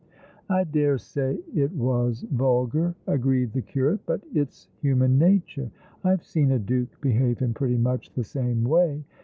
" I dare say it was vulgar," agreed the curate, " but it's human nature. I've seen a duke behave in pretty much the same way.